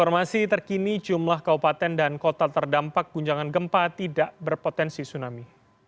informasi terkini jumlah kabupaten dan kota terdampak guncangan gempa tidak berpotensi tsunami